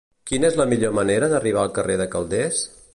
Quina és la millor manera d'arribar al carrer de Calders?